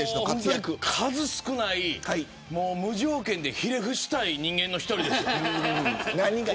数少ない無条件でひれ伏したい人間の一人です。